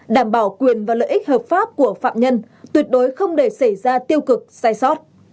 đảm bảo quyền và lợi ích hợp pháp của phạm nhân tuyệt đối không để xảy ra tiêu cực sai sót